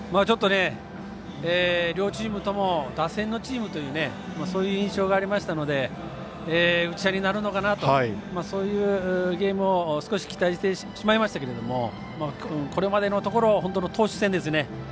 ちょっと両チームとも打線のチームというそういう印象がありましたので打ち合いになるのかなとそういうゲームを少し期待してしまいましたがこれまでのところ投手戦ですね。